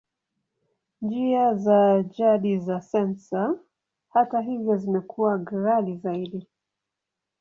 Njia za jadi za sensa, hata hivyo, zimekuwa ghali zaidi.